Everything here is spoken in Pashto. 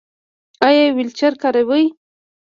ایا ویلچیر کاروئ؟